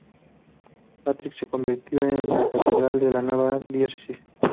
Patrick se convirtió en la catedral de la nueva diócesis.